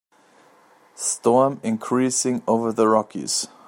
Storm increasing over the Rockies.